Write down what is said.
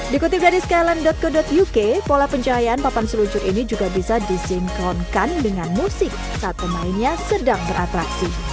dikutip dari skyland co uk pola pencahayaan papan seluncur ini juga bisa disinkronkan dengan musik saat pemainnya sedang beratraksi